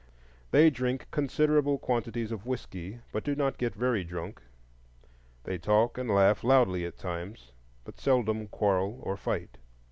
They drink considerable quantities of whiskey, but do not get very drunk; they talk and laugh loudly at times, but seldom quarrel or fight.